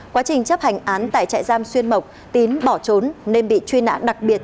quá trình chấp hành án tại trại giam xuyên mộc tín bỏ trốn nên bị truy nã đặc biệt